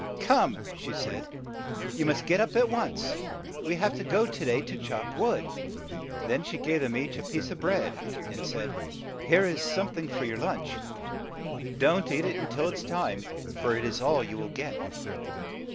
"Come," she said, "you must get up at once. We have to go to day to chop wood." Then she gave them each a piece of bread, and said, "Tnere is some thing for your lunch. Don't eat it till it is time, for it is all you will get."